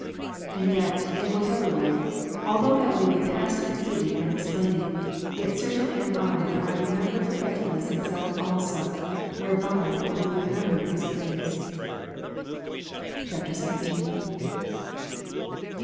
And yet, in what ever way, although that way be past conceiving and explain ing, yet certain am I that I remember forgetfulness itself also, whereby what we remember is effaced. :. [XVn.] 26.